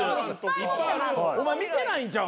お前見てないんちゃう？